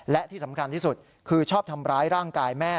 และที่สำคัญที่สุดคือชอบทำร้ายร่างกายแม่